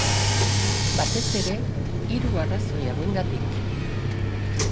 Batez ere, hiru arrazoi hauengatik.